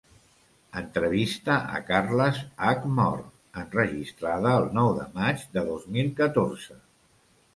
Entrevista a Carles Hac Mor, enregistrada el nou de maig de dos mil catorze.